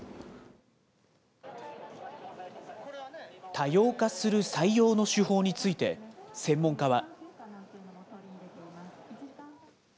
多様化する採用の手法について、専門家は。